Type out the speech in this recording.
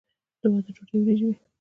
د واده ډوډۍ وریجې وي.